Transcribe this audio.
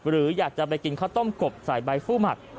หรืออยากจะไปกินข้าวต้มกบใส่ใบฟู้หมัก